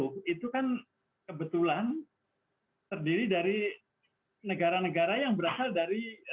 g dua puluh itu kan kebetulan terdiri dari negara negara yang berasal dari